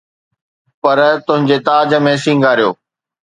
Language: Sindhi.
پر، تنهنجي تاج ۾ سينگاريو.